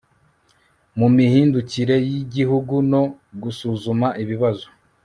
mu mihindukire y'igihugu, no gusuzuma ibibazo